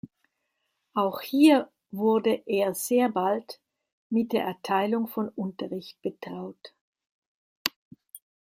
Auch hier wurde er sehr bald mit der Erteilung von Unterricht betraut.